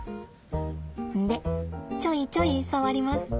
でちょいちょい触ります。